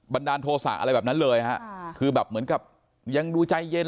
ดาลโทษะอะไรแบบนั้นเลยฮะคือแบบเหมือนกับยังดูใจเย็น